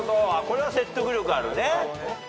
これは説得力あるね。